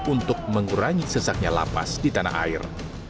untuk mengurangi sesaknya lapas di tanah air